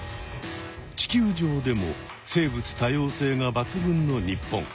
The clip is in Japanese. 地球上でも生物多様性がばつ群の日本。